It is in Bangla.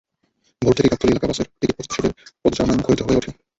ভোর থেকেই গাবতলী এলাকা বাসের টিকিট প্রত্যাশীদের পদচারণায় মুখরিত হয়ে ওঠে।